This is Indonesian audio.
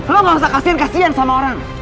lo gak usah kasihan kasihan sama orang